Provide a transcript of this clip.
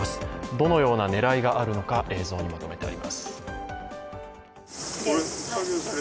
どのような狙いがあるのか、映像にまとめてあります。